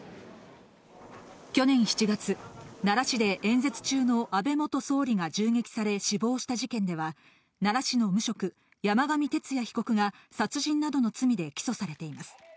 去年７月、奈良市で演説中の安倍元総理が銃撃され死亡した事件では、奈良市の無職、山上徹也被告が殺人などの罪で起訴されています。